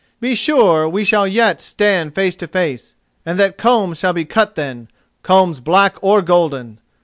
Be sure we shall yet stand face to face, and that combs shall be cut then, combs black or golden.